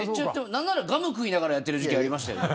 なんならガム食いながらやってる時期がありましたよね。